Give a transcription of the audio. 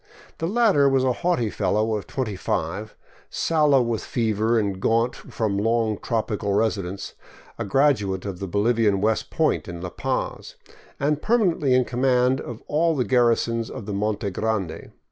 The latter was a haughty fellow of twenty five, sallow with fever and gaunt from long tropical residence, a graduate of the Bolivian West Point in La Paz, and permanently in command of all the garrisons of the Monte Grande.